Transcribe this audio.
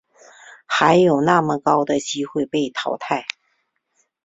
还有那么高的机会被淘汰